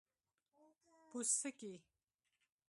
🍄🟫 پوڅکي